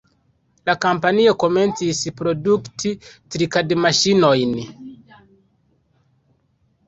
La kompanio komencis produkti trikad-maŝinojn.